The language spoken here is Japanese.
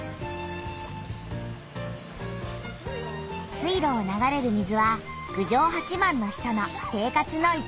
水路を流れる水は郡上八幡の人の生活の一部。